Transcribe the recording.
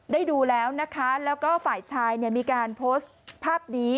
ได้ดูแล้วนะคะแล้วก็ฝ่ายชายมีการโพสต์ภาพดี